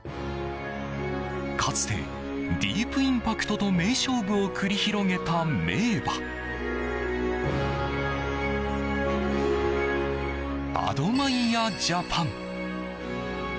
かつてディープインパクトと名勝負を繰り広げた名馬アドマイヤジャパン！